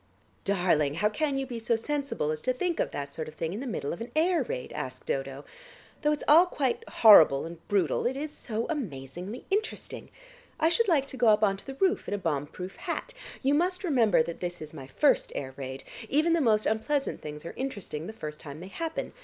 "Darling, how can you be so sensible as to think of that sort of thing in the middle of an air raid?" asked Dodo. "Though it's all quite horrible and brutal, it is so amazingly interesting. I should like to go up on to the roof in a bomb proof hat. You must remember this is my first air raid. Even the most unpleasant things are interesting the first time they happen.